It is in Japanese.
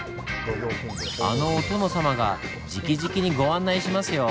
あのお殿様がじきじきにご案内しますよ。